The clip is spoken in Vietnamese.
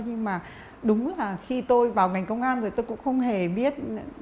nhưng mà đúng là khi tôi vào ngành công an rồi tôi cũng không hề biết